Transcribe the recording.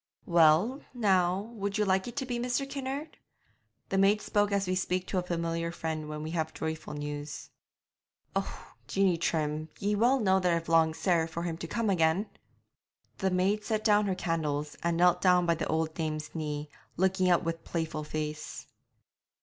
'Well, now, would you like it to be Mr. Kinnaird?' The maid spoke as we speak to a familiar friend when we have joyful news. 'Oh, Jeanie Trim, ye know well that I've longed sair for him to come again!' The maid set down her candles, and knelt down by the old dame's knee, looking up with playful face.